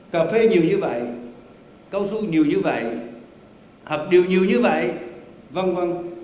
cà phê nhiều như vậy câu su nhiều như vậy hạt điều nhiều như vậy v v